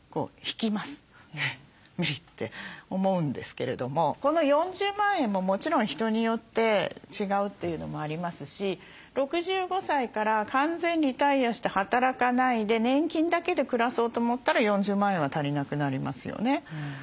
無理って思うんですけれどもこの４０万円ももちろん人によって違うというのもありますし６５歳から完全リタイアして働かないで年金だけで暮らそうと思ったら４０万円は足りなくなりますよね。